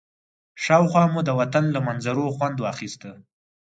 شاوخوا مو د وطن له منظرو خوند اخيسته.